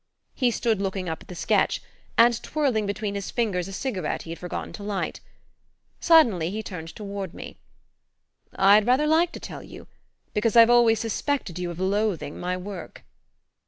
He stood looking up at the sketch, and twirling between his fingers a cigarette he had forgotten to light. Suddenly he turned toward me. "I'd rather like to tell you because I've always suspected you of loathing my work."